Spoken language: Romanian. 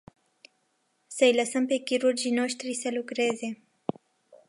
Să-i lăsăm pe chirurgii noști să lucreze.